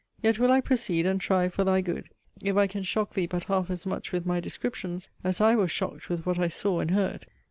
Yet will I proceed, and try, for thy good, if I can shock thee but half as much with my descriptions, as I was shocked with what I saw and heard.